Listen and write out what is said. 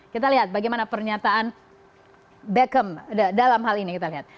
kita lihat bagaimana pernyataan beckham dalam hal ini kita lihat